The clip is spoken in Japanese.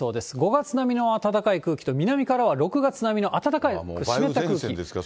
５月並みの暖かい空気と、南からは６月並みの暖かく湿った空気。